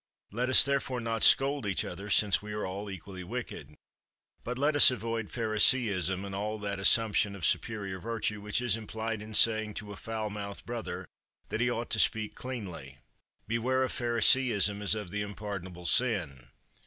Let us therefore not scold each other, since we are all equally wicked. But let us avoid Phariseeism and all that assumption of superior virtue which is implied in saying to a foul mouthed brother that he ought to speak cleanly. Beware of Phariseeism as of the unpardonable sin.